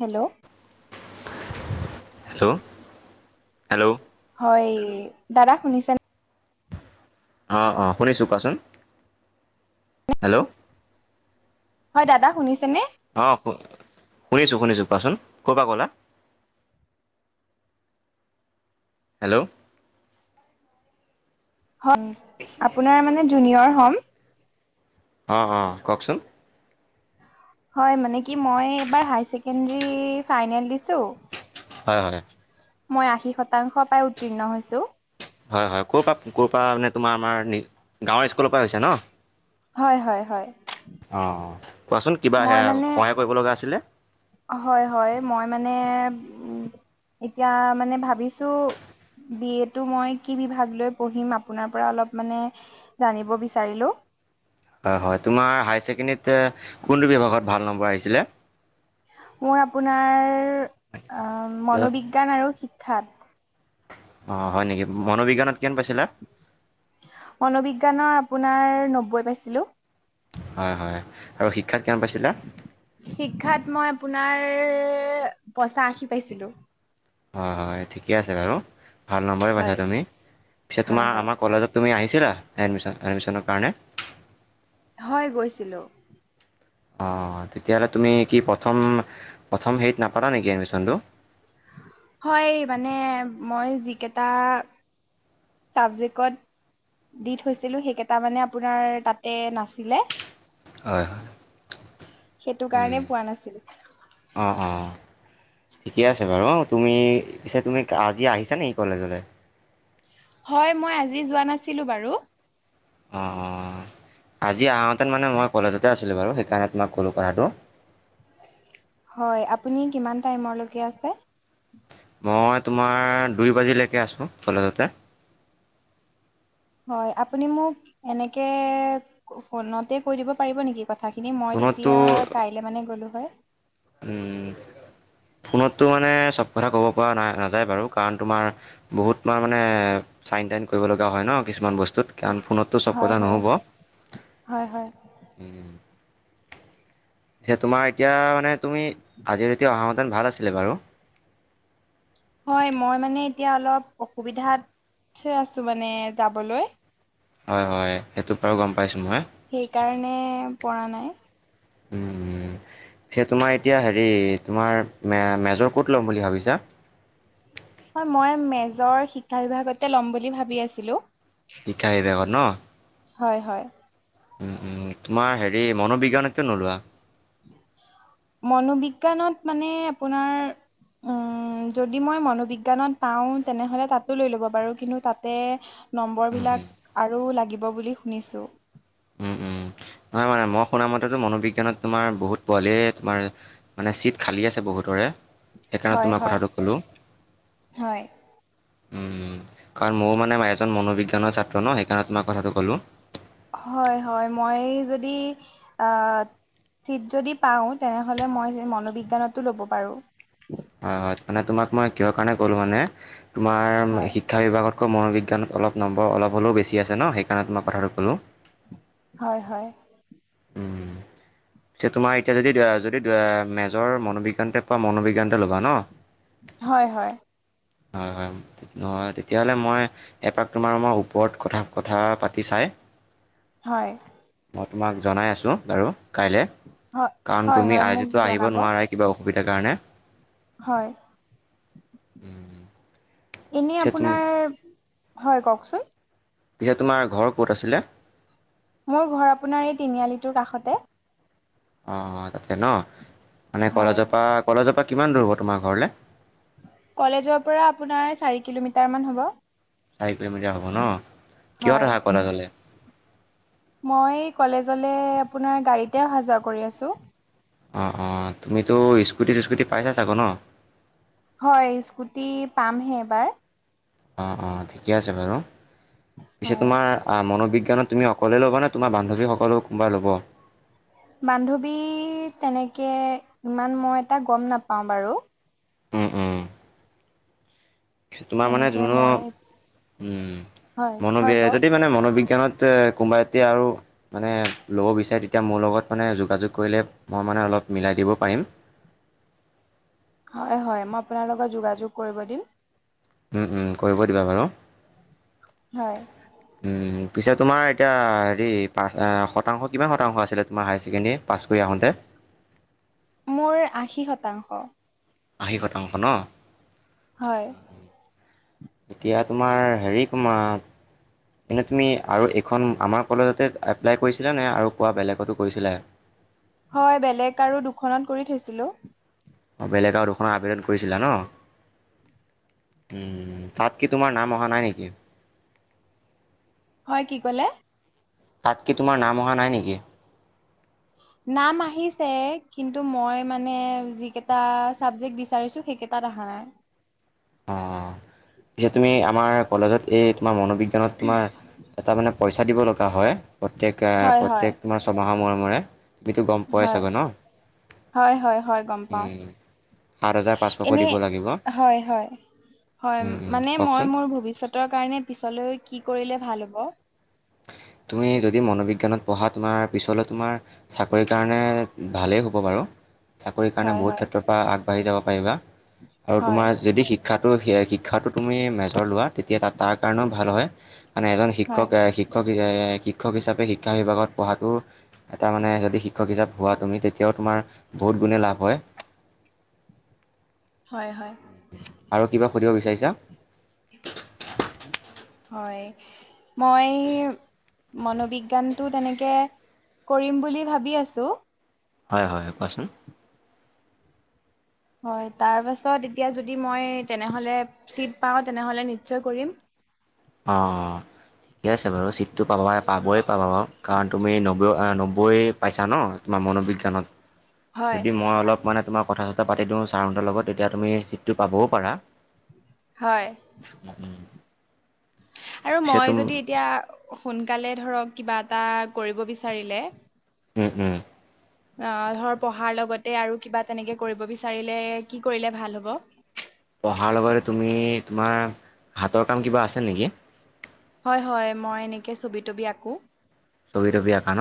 Hello hello hello হয় দাদা শুনিছেনে অঁ অঁ শুনিছোঁ কোৱাচোন হেল্ল' হয় দাদা শুনিছেনে? অ শু শুনিছো শুনিছো কোৱাচোন ক' পৰা ক'লা হেল্ল' আপোনাৰ মানে জুনিয়ৰ হম। অঁ অঁ কওঁকচোন? হয় মানে কি মই এইবাৰ হাই চেকেণ্ডৰী ফ্ৰাইনেল দিছো। হয় হয়। মই আশী শতাংশ পাই উত্তীৰ্ণ হৈছো। হয় হয়, ক'ৰ পৰা ক'ৰ পৰা মানে তোমাৰ আমাৰ গাঁৱৰ স্কুলৰ পৰা হৈছে ন'? হয় হয়। অঁ অঁ কোৱাচোন কিবা মই মানে সহায় কৰিব লগা আছিলে হয়, হয়, মই মানে - এতিয়া মানে ভাবিছো- বি এ টো মই কি বিভাগ লৈ পঢ়িম আপোনাৰ পৰা অলপ মানে জানিব বিচাৰিলো? হয় হয় তোমাৰ হায়াৰ ছেকেণ্ডেৰীত কোনটো বিভাগত ভাল নম্বৰ আহিছিলে? মোৰ আপোনাৰ মনোবিজ্ঞান আৰু শিক্ষাত। অঁ হয় নেকি। মনোবিজ্ঞানত- কিমান পাইছিলা মনোবিজ্ঞানৰ আপোনাৰ নব্বৈ পাইছিলো। হয় হয় আৰু শিক্ষাত কিমান পাইছিলা? শিক্ষাত মই আপোনাৰ পঞ্চাশী পাইছিলো। হয় হয় ঠিকে আছে বাৰু। ভাল নম্বৰে হয় পাইছা তুমি পিছে হয় তোমাৰ হয় আমাৰ কলেজত তুমি আহিছিলা এডমিশ্যনৰ- এডমিশ্যনৰ কাৰণে? হয় গৈছিলোঁ। অঁ তেতিয়াহ'লে তুমি কি প্ৰথম প্ৰথম হেৰি নাপালা নেকি এডমিশ্যনতো? হয় মানে মই যিকেইটা- ছাবজেক্টত- দি থৈছিলো সেইকেইটা মানে আপোনাৰ তাতে নাছিলে। হয় হয়। সেইটো কাৰণে উম' পোৱা নাছিলো অঁ অঁ। ঠিকে আছে বাৰু। অঁ তুমি পিছে তুমি আজি আহিছা নেকি কলেজলৈ? হয়, মই আজি যোৱা নাছিলো বাৰু। অঁ অঁ আজি আহোতে মানে মই কলেজতে আছিলোঁ বাৰু সেইকাৰণে তোমাক ক'লোঁ কথাটো। হয়, আপুনি কিমান টাইমৰ লৈকে আছে? মই তোমাৰ দুই বজালৈকে আছো কলেজতে। হয়, আপুনি মোক এনেকে ফোনতে কৈ দিব পাৰিব নেকি- কথাখিনি। মই ফোনততো তেতিয়া কাইলৈ মানে গ'লো হয়। উম' ফোনত টো মানে চব কথা ক'ব পৰা নাযায় বাৰু কাৰণ তোমাৰ বহুত তোমাৰ মানে- চাইন টাইন কৰিব লগা হয় ন' কিছুমান বস্তু। কাৰণ ফোনতটো চব হয় কথা হয় নহ'ব। হয় হয় এতিয়া তোমাৰ এতিয়া মানে তুমি আজি এতিয়া অহা হেতেন ভাল আছিলে বাৰু। হয় মই মানে এতিয়া অলপ অসুবিধাত আছো মানে যাবলৈ। হয় হয় সেইটো বাৰো গম - সেইকাৰণে পৰা নাই। উম' উম' সেইটো মানে এতিয়া হেৰি তোমাৰ মে মেজৰ ক'ত ল'ম বুলি ভাবিছা? হয় মই মেজৰ শিক্ষা বিভাগতে ল'ম বুলি ভাবি আছিলো। শিক্ষা বিভাগত ন' হয় হয়। উম'উম' তোমাৰ হেৰি মনোবিজ্ঞান কিয় নোলোৱা? মনোবিজ্ঞানত মানে আপোনাৰ- উম' যদি মই মনোবিজ্ঞানত পাওঁ তেনেহ'লে তাতো লৈ ল'ব পাৰো। কিন্তু তা'তে- নম্বৰ উম উম বিলাক, আৰু লাগিব বুলি শুনিছো। উম উম নহয় মানে মই শুনা মতেতো মনোবিজ্ঞানত তোমাৰ বহুত পোৱালেই তোমাৰ, মানে ছিট খালী আগত আছে বহুতৰে। সেইকাৰণে হয় তোমাক হয় কথাটো ক'লোঁ। হয় উমম কাৰণ ময়ো মানে এজন মনোবিজ্ঞানৰ ছাত্ৰ ন সেইকাৰণে তো মই কথাটো ক'লোঁ। হয় হয় মই যদি, আহ চিট যদি পাওঁ তেনেহ'লে মই মনবিজ্ঞানতো ল'ব পাৰো। হয় হয় মানে তোমাক মই কিহৰ কাৰণে ক'লো মানে, তোমাৰ হয় শিক্ষা বিভাগতকৈ মনোবিজ্ঞান অলপ নম্বৰ অলপ হ'লেও বেছি আছে ন সেইকাৰণত মই কথাটো ক'লোঁ। হয় হয় উওম। পিছে তোমাৰ এতিয়া যদি দেআ যদি দেআ মেজৰ মনোবিজ্ঞানতে পোৱা মনোবিজ্ঞানতে ল'বা ন। হয় হয়। হয় হয় ন তেতিয়াহ'লে মই, এপাক তোমাৰ মই ওপৰত কথা কথা পাতি চাই। হয়। ম তোমাক জনাই আছোঁ বাৰু কাইলৈ, হয় কাৰণ হয় তুমি হয় মোক আজিতো আহিব জনাব নোৱাৰাই কিবা অসু- অসুবিধা কাৰণে। হয়, এনে পিছে তুম আপোনাৰ হয় কওকচোন। পিছে তোমাৰ ঘৰ ক'ত আছিলে? মোৰ ঘৰ আপোনাৰ এই তিনিআলিটোৰ কাষতে। অ অ তাতে ন, মানে হয় কলজৰ পৰা কলেজৰ পৰা কিমান দূৰ হ'ব তোমাৰ ঘৰলে। কলেজৰ পৰা আপোনাৰ চাৰি কিলোমিটাৰ মান হ'ব। চাৰি কিলোমিটাৰ হব ন হয় কিহত আহা কলেজলে। মই কলেজলৈ আপোনাৰ গাড়ীতে অহা যোৱা কৰি আছোঁ। অঁ অঁ তুমিতো স্কুটি চিস্কুটি পাইছা চাগৈ ন। হয় স্কুটি পামহে এবাৰ। অঁ অঁ ঠিকে আছে বাৰু, পিছে হয় তোমাৰ মনোবিজ্ঞানত। তুমি অকলে ল'বা নে তোমাৰ বান্ধৱীসকলেও কোনোবা ল'ব। বান্ধৱী তেনেকে, ইমান মই এটা গম নাপাওঁ বাৰু। উম উম তোমাৰ মানে তেনেকে যোনো, মই উম হয় হয় মনোবি কওক যদি মানে মনোবিজ্ঞ। কোনবা এতিয়া আৰু, মানে ল'ব বিৰে তেতি মোৰ লগত মান য ম। মানে অলপ মিলাই দিব পাৰিম। হয় হয় মই আপোনাৰ লগত যোগাযোগ কৰিব দিম। উম উম কৰিব দিবা বাৰু। হয়। উম পিছে তোমাৰ এতিয়া হেৰি পা শতাংশ কিমান শতাংশ আছিলে তোমাৰ হায়াৰ ছেকেণ্ডেৰী পাছ কৰি আহোঁতে। [unintelligible] মোৰ আশী শতাংশ। আশী শতাংশ ন। হয়। এতিয়া তোমাৰ হেৰি তোমাৰ। এনেই তুমি আৰু এইখন আমাৰ কলেজতে এপ্লাই কৰিছিলা নে আৰু কোৱা বেলেগতো কৰিছিলা। হয় বেলেগ আৰু দুখনত কৰি থৈছিলোঁ। অঁ বেলেগ আৰু দুখনৰ আবেদন কৰিছিলা ন। উম তাত কি তোমাৰ নাম অহা নাই নেকি? হয় কি কলে। তাত কি তোমাৰ নাম অহা নাই নেকি? নাম আহিছে কিন্তু মই মানে যিকেইটা চাবজেক্ট বিচাৰিছো। সেইকেইটাত আহা নাই। অ পিছে তুমি আমাৰ কলেজত এই তোমাৰ মনোবিজ্ঞানত তোমাৰ এটা মানে। পইচা দিব লগা হয় প্ৰত্যেক হয় হয় প্ৰত্যেক তোমাৰ ছমাহৰ মৰেমূৰে। হয়, হয়, হয়, হয় গম পাওঁ উম, সাত হাজাৰ পাঁচশকৈ দিব এনেই লাগিব হয়, হয় হয়, উম, উম, মানে মই কওকচোন মোৰ ভৱিষ্যতৰ কাৰণে পিছলৈ কি কৰিলে ভাল হ'ব? তুমি যদি মনোবিজ্ঞানত পঢ়া তোমাৰ পিছলৈ তোমাৰ চাকৰিৰ কাৰণে ভালেই হ'ব বাৰু চাকৰিৰ কাৰণে হয় বহুত হয় ক্ষেত্ৰৰ পৰা আগবাঢ়ি যাব পাৰিবা। আৰু হয় তোমাৰ যদি শিক্ষাটো শিক্ষাটো তুমি মেজৰ লোৱা তেতিয়া তাৰ কাৰণেও ভাল হয়, মানে এজন হয় শিক্ষক শিক্ষক শিক্ষক হিচাপে শিক্ষা বিভাগত পঢ়াটো এটা মানে যদি শিক্ষক হিচাপে হোৱা তুমি তেতিয়াও তোমাৰ বহুত গুণে লাভ হয়। হয়, হয়। আৰু কিবা সুধিব বিচাৰিছা? হয়, মই মনোবিজ্ঞানটো তেনেকে কৰিম বুলি ভাবি আছোঁ হয়, হয়, কোৱাচোন হয়, তাৰপাছত এতিয়া যদি মই তেনেহ'লে চিট পাওঁ তেনেহ'লে নিশ্চয় কৰিম অ-অ- ঠিক আছে বাৰু চিটটো পাবা পাবই পাবা বাৰু কাৰণ তুমি নবৈ নবৈ পাইছা ন তোম মনোবিজ্ঞানত হয় যদি মই অলপ মানে তোমাক কথা- চথা পাতি দিওঁ ছাৰহঁতৰ লগত তেতিয়া তুমি চিটটো পাবও পাৰা হয়। আৰু পিছে মই তুম যদি এতিয়া সোনকালে ধৰক কিবা এটা কৰিব বিচাৰিলে উম! উম! অ ধৰ পঢ়াৰ লগতে আৰু কিবা তেনেকে কৰিব বিচাৰিলে কি কৰিলে ভাল হ'ব? পঢ়াৰ লগতে তুমি তোমাৰ হাতৰ কাম কিবা আছে নেকি? তাকে ছবি- তবি আঁকো। ছবি- তবি আঁকা ন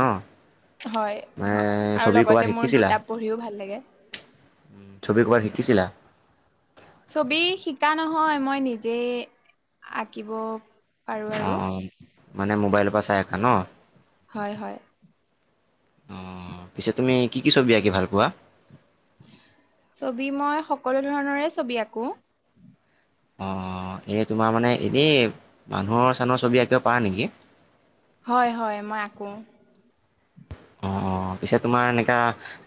হয়, মানে আৰু ছবি ক'ৰবাত লগতে মোৰ শিকিছিলা? কিতাপ পঢ়িও ভাল লাগে। ছবি কবাত শিকিছিলা? ছবি শিকা নহয়, মই নিজেই আঁকিব পাৰো অ অ আৰু মানে মোবাইলত চাই আকা ন, হয় হয় অ পিছে তুমি কি কি ছবি আঁকি ভালপোৱা? ছবি মই সকলো ধৰণৰে ছবি আঁকো অ এ তোমাৰ মানে এনেই মানুহৰ-চানোহৰ ছবি আঁকিব পাৰা নেকি? হয়, হয়, মই আঁকো। অ অ পিছে তোমাৰ এনেকা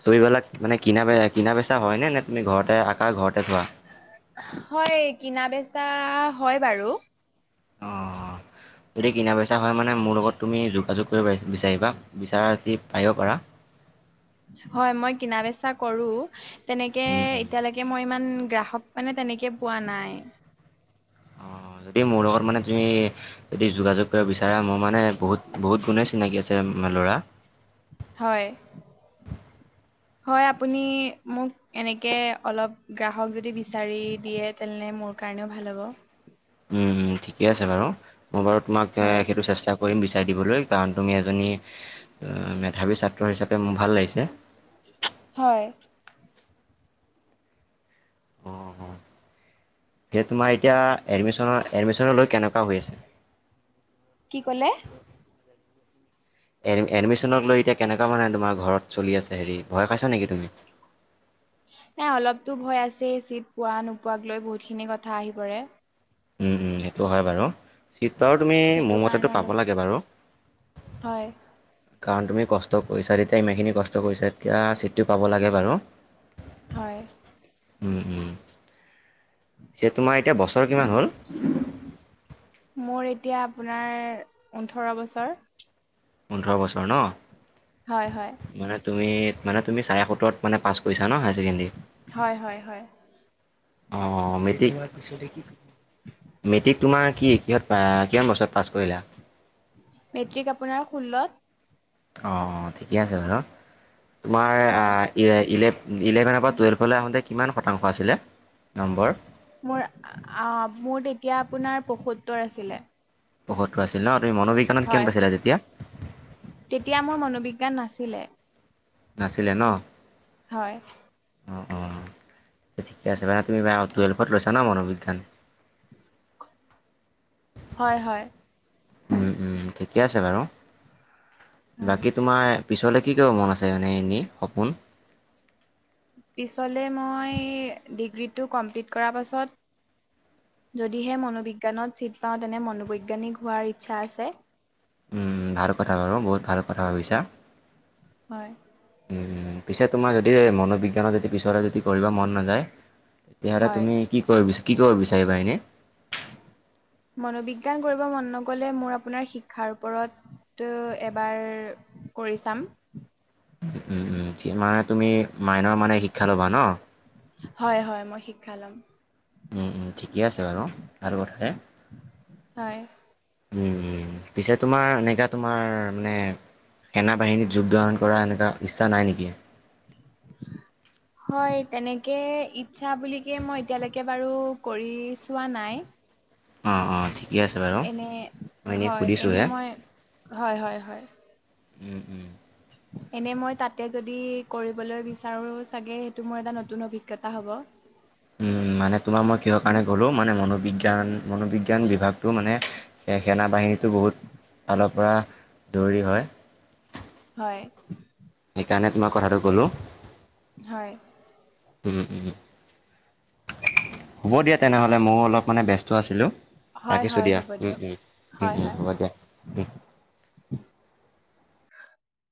ছবিবিলাক মানে কিনা কিনা-বেচা হয় নে, নে তুমি ঘৰতে থাকা ঘৰতে থোৱা হয়, কিনা-বেচা হয় বাৰু অহ- যদি কিনা-বেচা হয় মানে মোৰ লগত তুমি যোগাযোগ কৰিব বিচাৰিবা বিচাৰা যদি পাৰিব পাৰা হয় মই কিনা বেচা কৰোঁ তেনেকে উম, উম, এতিয়ালৈকে মই ইমান গ্ৰাহক মানে তেনেকে পোৱা নাই। অ যদি মোৰ লগত মানে তুমি যদি যোগাযোগ কৰিব বিচাৰা মোৰ মানে বহুত বহুত গুণেই চিনাকি আছে মে ল'ৰা হয়। হয়, আপুনি মোক এনেকে অলপ গ্ৰাহক যদি বিচাৰি দিয়ে তেনে মোৰ কাৰণেও ভাল হ'ব। ঠিকে আছে বাৰু মই বাৰু তোমাক হয় সেইটো চেষ্টা কৰিম বিচাৰ চাই দিবলৈ কাৰণ তুমি এজনী মেধাৱী ছাত্ৰ হিচাপে মোৰ ভাল লাগিছে। হয় [inaudible] সে তোমাৰ এতিয়া এডমিশ্যনৰ এডমিশ্যনৰ লৈ কেনেকোৱা হৈ আছে কি কলে এডমিশ্যনক লৈ এতিয়া কেনেকোৱা মানে তোমাৰ ঘৰত চলি আছে হেৰি ভয় খাইছা নেকি তুমি [inaudible] এ অলপতো ভয় আছে চিট পোৱা নোপোৱাক লৈ বহুত খিনি কথা আহি পৰে উম উম সেইটো হয় বাৰু চিট বাৰু তুমি সেইটো কাৰণে মমতেটো পাব অলপ লাগে বাৰু হয় কাৰণ তুমি কষ্ট কৰিছা তেতিয়া ইমানখিনি কষ্ট কৰিছা এতিয়া ছিটটো পাব লাগে বাৰু হয় উম উম এ তোমাৰ এতিয়া বছৰ কিমান হ'ল মোৰ এতিয়া আপোনাৰ পোন্ধৰ বছৰ পোন্ধৰ বছৰ ন হয় হয় মানে তুমি মানে তুমি চাৰে সোতৰত মানে পাছ কৰিছা ন হায়াৰ ছেকেণ্ডেৰী হয় হয় হয় অহ মেটিক পচে কি মেট্ৰিক তোমাৰ কি কিহত কিমান বছৰত পাছ কৰিলা? মেট্ৰিক আপোনাৰ ষোল্লত অঁ অঁ ঠিকে আছে বাৰু তোমাৰ হয় ইলে ইলেভেনৰ পৰা টুৱেল্ভলৈ আহোঁতে কিমান শতাংশ আছিলে নম্বৰ। মোৰ অ মোৰ তেতিয়া আপোনাৰ পয়সত্তৰ আছিলে? পয়সত্তৰ আছিল ন? তুমি মনোবিজ্ঞানত কিমান হয় পাইছিলা তেতিয়া? তেতিয়া মোৰ মনোবিজ্ঞান নাছিল। চিলে নাছিলে ন, হয় অঁ অঁ ঠিকে আছে বাৰানে তুমি বা টুৱেল্ভত লৈছা ন মনোবিজ্ঞান হয় হয়। উম ঠিকে আছে বাৰু হয় বাকী তোমাৰ? পিছলৈ কি ক মন আছে মানে এনেই সপোন পিছলে মই ডিগ্ৰীটো কমপ্লিট কৰাৰ পাছত যদিহে মনোবিজ্ঞানত ছিট পাওঁ তেনে মনোবৈজ্ঞানিক হোৱাৰ ইচ্ছা আছে ভাল কথা বাৰুঁ বহুত ভাল কথা ভাবিছা। হয়। পিছে তোমাৰ যদি মনোবিজ্ঞানত যদি পিছৰে যদি কৰিব মন নাযায়। তেতিয়াহ'লে হয় তুমি কি কৰিব কি কৰিব বিচাৰিবা এনে মনোবিজ্ঞান কৰিব মন নগলে মোৰ আপোনাৰ শিক্ষাৰ ওপৰত তটো এবাৰ কৰি চাম। উম উম মানে তুমি মাইনৰ মানে শিক্ষা ল'বা ন হয় হয় মই শিক্ষা লম। উম উম ঠিকে আছে বাৰু ভাল কথাহে হয় পিছে তোমাৰ এনেকুৱা তোমাৰ মানে। সেনা বাহিনীত যোগদণ কৰা এনেকুৱা ইচ্ছা নাই নেকি? [inaudible] হয় তেনেকৈ ইচ্ছা বুলিকে মই এতিয়ালৈকে বাৰু কৰি চোৱা নাই। অঁ অঁ ঠিকে আছে বাৰু এনে মই এনেই হয় এনে সুধিছোঁহে মই হয় হয় হয়। উম উম। এনে মই তাতে যদি কৰিবলৈ বিচাৰো চাগে সেইটো মোৰ এটা নতুন অভিজ্ঞতা হ'ব। উ মানে তোমাৰ মই কিহৰ কাৰণে গ'লো মানে মনোবিজ্ঞান মনোবিজ্ঞান বিভাগ টো মানে স সেনা বাহিনীটো বহুত ফালৰ পৰা দৌৰী হয়। হয়। সেইকাৰণে তোমাক কথাটো ক'লোঁ। হয় হ'ব দিয়া তেনেহলে মইও অলপ মানে ব্যস্ত আছিলোঁ। হয় ৰাখিছো হয় দিয়া হ'ব উম দিয়ক উম উম হয় উম হয় হ'ব দিয়া উম। [unintelligible]